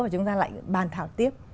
và chúng ta lại bàn thảo tiếp